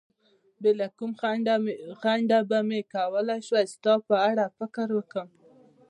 بې له کوم خنډه به مې کولای شول ستا په اړه فکر وکړم.